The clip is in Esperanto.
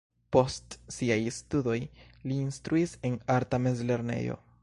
Post siaj studoj li instruis en arta mezlernejo.